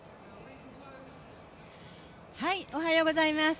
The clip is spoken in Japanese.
おはようございます。